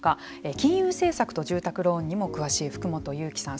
金融政策と住宅ローンにも詳しい福本勇樹さん。